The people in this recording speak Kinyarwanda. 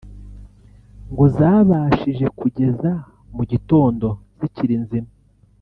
ngo zabashije kugeza mu gitondo zikiri nzima